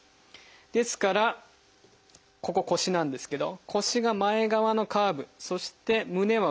ですからここ腰なんですけど腰が前側のカーブそして胸は後ろ側のカーブ。